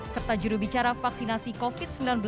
serta jurubicara vaksinasi covid sembilan belas